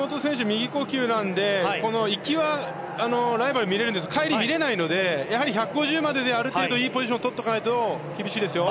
右呼吸なので行きはライバルが見られるんですけど帰りは見れないのでやはり１５０ｍまでである程度いいポジションを取っておかないと厳しいですよ。